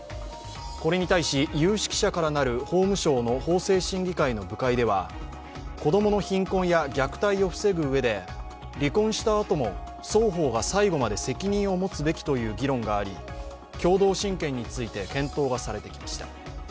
これに対し、有識者からなる法務省の法制審議会の部会では子供の貧困や虐待を防ぐうえで離婚したあとも双方が最後まで責任を持つべきという議論があり共同親権について検討がされてきました。